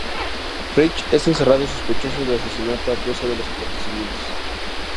Rich es encerrado sospechoso de asesinato a causa de los acontecimientos.